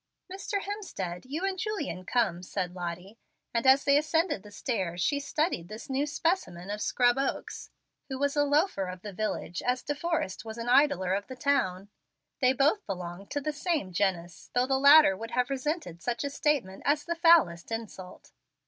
"Mr. Hemstead, you and Julian come," said Lottie, and as they ascended the stairs she studied this new specimen of Scrub Oaks, who was a loafer of the village as De Forrest was an idler of the town. They both belonged to the same genus, though the latter would have resented such a statement as the foulest insult.